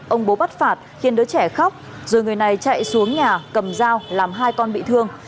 ông bố bắt phạt khiến đứa trẻ khóc rồi người này chạy xuống nhà cầm dao làm hai con bị thương